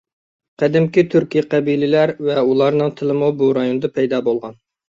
قەدىمكى تۈركىي قەبىلىلەر ۋە ئۇلارنىڭ تىلىمۇ بۇ رايوندا پەيدا بولغان.